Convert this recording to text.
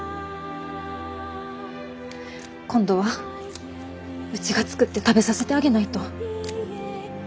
今度はうちが作って食べさせてあげないと。